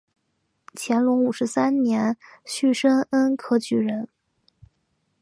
乾隆五十三年戊申恩科举人。